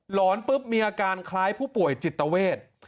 หลอนปุ๊บมีอาการคล้ายผู้ป่วยจิตเตอร์เวธ